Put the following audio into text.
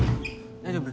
大丈夫？